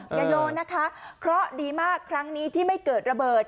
อย่าโยนนะคะเพราะดีมากครั้งนี้ที่ไม่เกิดระเบิด